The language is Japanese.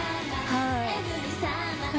はい。